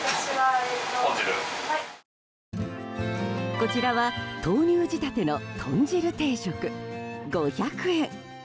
こちらは豆乳仕立ての豚汁定食５００円。